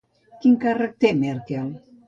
Quin càrrec té Merkel?